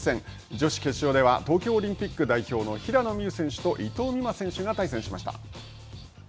女子決勝では東京オリンピック代表の平野美宇選手と伊藤美誠選手が対戦しました。